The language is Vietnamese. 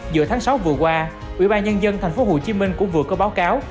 giữa tháng sáu vừa qua ủy ban nhân dân thành phố hồ chí minh cũng vừa có báo cáo